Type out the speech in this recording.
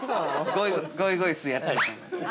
ゴイゴイスーやったり。